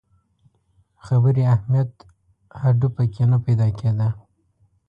خبري اهمیت هډو په کې نه پیدا کېده.